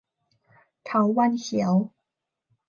เถาวัลย์เขียว